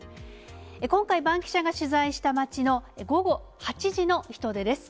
今回、バンキシャが取材した街の午後８時の人出です。